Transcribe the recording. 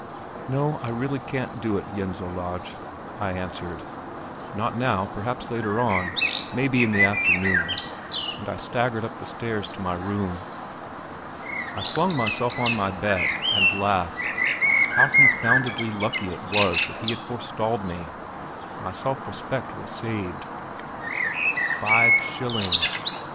"No; I really can't do it, Jens Olaj," I answered. "Not now perhaps later on, maybe in the afternoon," and I staggered up the stairs to my room. I flung myself on my bed, and laughed. How confoundedly lucky it was that he had forestalled me; my self respect was saved. Five shillings!